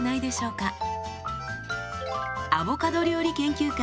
アボカド料理研究家